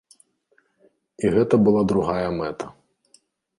І гэта была другая мэта.